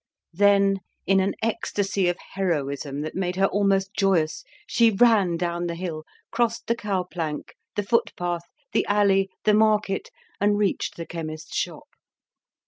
Then in an ecstasy of heroism, that made her almost joyous, she ran down the hill, crossed the cow plank, the foot path, the alley, the market, and reached the chemist's shop.